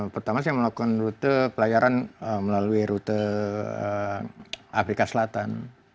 pertama saya melakukan rute pelayaran melalui rute afrika selatan